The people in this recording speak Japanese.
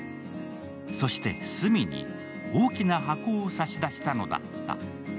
そして、スミに大きな箱を差し出したのだった。